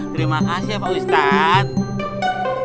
terima kasih ya pak ustadz